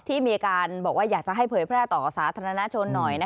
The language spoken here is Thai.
ที่มีการบอกว่าอยากจะให้เผยแพร่ต่อสาธารณชนหน่อย